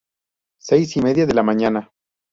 Seis y media de la mañana.